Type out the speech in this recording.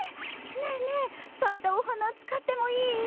ねえねえさいたおはなつかってもいい？